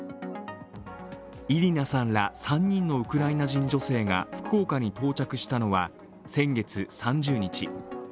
イリナさんら３人のウクライナ人女性が福岡に到着したのは、先月３０日。